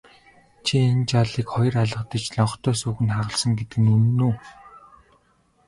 Чи энэ жаалыг хоёр алгадаж лонхтой сүүг нь хагалсан гэдэг үнэн үү?